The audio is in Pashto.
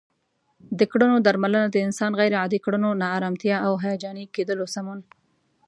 د کړنو درملنه د انسان غیر عادي کړنو، ناآرامتیا او هیجاني کیدلو سمون